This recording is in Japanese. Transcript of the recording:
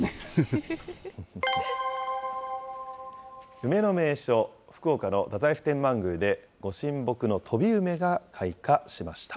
梅の名所、福岡の太宰府天満宮で、ご神木の飛梅が開花しました。